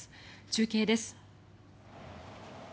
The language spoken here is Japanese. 中継です。